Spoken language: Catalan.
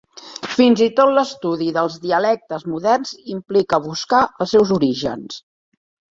Fins i tot l'estudi dels dialectes moderns implica buscar els seus orígens.